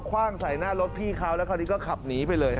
ไว้แทน